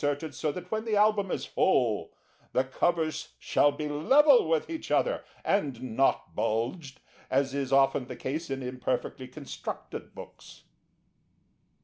Sufficient guards have been inserted so that when the Album is full the covers shall be level with each other, and not bulged, as is often the case in imperfectly constructed books.